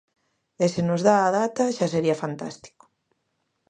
E se nos dá a data, xa sería fantástico.